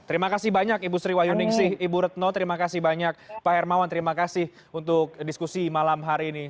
terima kasih banyak ibu sriwayuningsih ibu retno terima kasih banyak pak hermawan terima kasih untuk diskusi malam hari ini